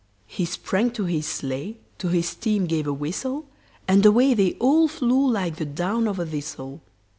He sprang to his sleigh, to his team gave a whistle, And away they all flew like the down of a thistle.